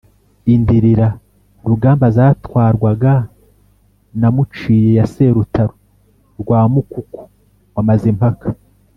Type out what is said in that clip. Indirira( Rugamba) zatwarwaga na Muciye ya Serutaro rwa Mukuku wa Mazimpaka